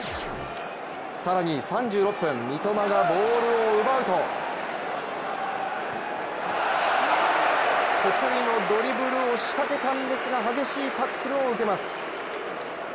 更に、３６分三笘がボールを奪うと得意のドリブルを仕掛けたんですが激しいタックルを受けます。